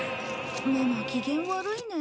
ママ機嫌悪いね。